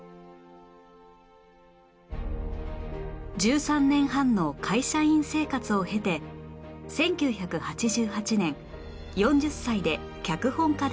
１３年半の会社員生活を経て１９８８年４０歳で脚本家デビュー